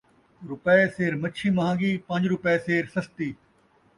روپئے سیر مچھی مہان٘گی ، پن٘ج روپئے سیر سستی